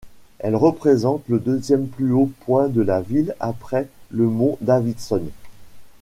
Elles représentent le deuxième plus haut point de la ville après le Mont Davidson.